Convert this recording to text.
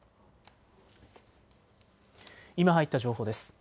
今入った情報です。